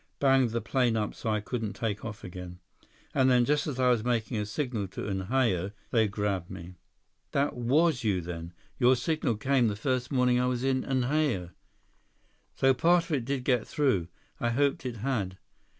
Banged the plane up so I couldn't take off again. And then, just as I was making a signal to Unhao, they grabbed me." "That was you then. Your signal came the first morning I was in Unhao." "So part of it did get through! I hoped it had."